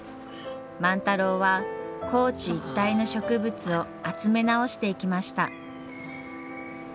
万太郎は高知一帯の植物を集め直していきました。